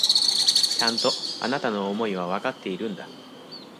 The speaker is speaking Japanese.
ちゃんと、あなたの思いはわかっているんだ。